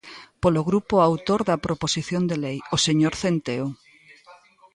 Polo grupo autor da proposición de lei, o señor Centeo.